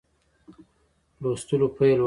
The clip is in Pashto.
لوستلو پیل وکړ.